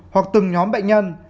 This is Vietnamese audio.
hoặc từng nhóm bệnh nhân